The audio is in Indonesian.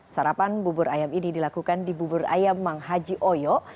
sarapan bubur ayam ini dilakukan di bubur ayam mang haji oyo